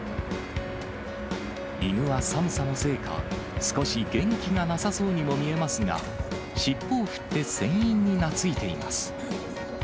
犬は寒さのせいか、少し元気がなさそうにも見えますが、尻尾を振って船員に懐いています。